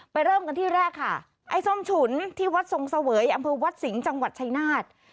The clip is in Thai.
เริ่มกันที่แรกค่ะไอ้ส้มฉุนที่วัดทรงเสวยอำเภอวัดสิงห์จังหวัดชายนาฏ